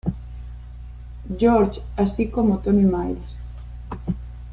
George, así como Tony Miles.